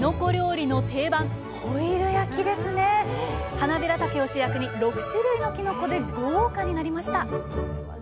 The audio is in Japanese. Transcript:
はなびらたけを主役に６種類のきのこで豪華になりました！